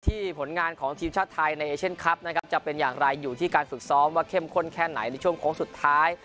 ผลงานของทีมชาติไทยในเอเชียนคลับนะครับจะเป็นอย่างไรอยู่ที่การฝึกซ้อมว่าเข้มข้นแค่ไหนในช่วงโค้งสุดท้าย